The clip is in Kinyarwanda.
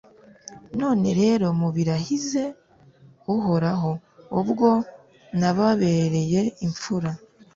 none rero mubirahize uhoraho: ubwo nababereye imfura,